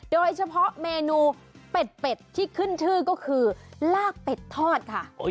โดยเฉพาะเมนูเป็ดที่ขึ้นชื่อก็คือลากเป็ดทอดค่ะ